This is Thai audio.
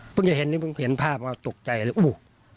เพิ่งจะเห็นนี่เพิ่งเห็นภาพตกใจเลยอู้ว